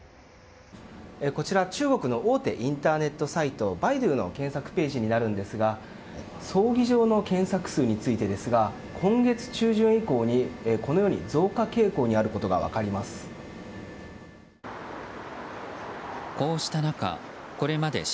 こちら中国の大手インターネットサイトバイドゥーの検索ページになるんですが葬儀場の検索数についてですが今月中旬以降にこのように増加傾向にあることが分かります。